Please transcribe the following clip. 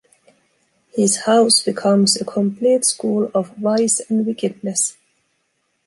His house becomes a complete school of vice and wickedness.